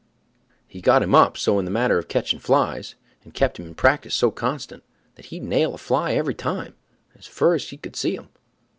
He got him up so in the matter of ketching flies, and kep' him in practice so constant, that he'd nail a fly every time as fur as he could see him.